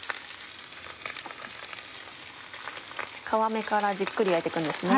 皮目からじっくり焼いてくんですね。